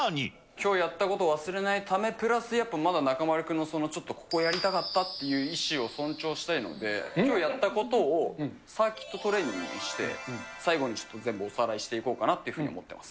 きょうやったことを忘れないためプラス、やっぱ、まだ中丸君のここ、やりたかったっていう意志を尊重したいので、きょうやったことをサーキットトレーニングにして、最後、全部おさらいしていこうなっていうふうに思ってます。